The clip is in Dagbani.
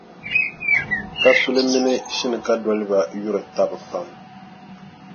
Kasuli mini Shinkadoliba yuri taba pam.